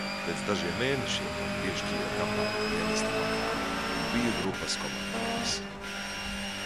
Pēc dažiem mēnešiem man piešķīra kaprāļa dienesta pakāpi un biju grupas komandieris.